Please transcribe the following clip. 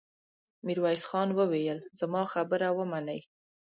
ميرويس خان وويل: زما خبره ومنئ!